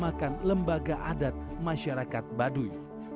yang mengatasnamakan lembaga adat masyarakat baduy